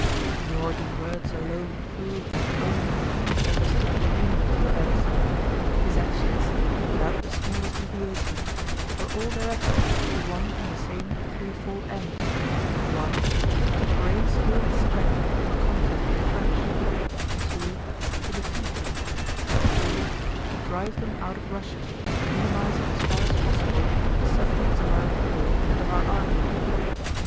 Nor do words alone prove that only he understood the meaning of the events. His actions—without the smallest deviation—were all directed to one and the same threefold end: (1) to brace all his strength for conflict with the French, (2) to defeat them, and (3) to drive them out of Russia, minimizing as far as possible the sufferings of our people and of our army.